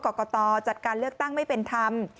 กรกตจัดการเลือกตั้งไม่เป็นธรรม